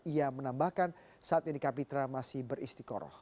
ia menambahkan saat ini kapitra masih beristikoroh